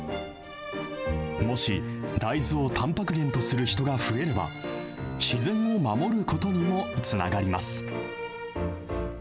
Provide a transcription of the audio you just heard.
もし、大豆をたんぱく源とする人が増えれば、自然を守ることにもつながります。